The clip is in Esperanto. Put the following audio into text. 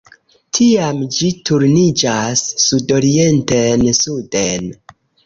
Tiam ĝi turniĝas sudorienten-suden.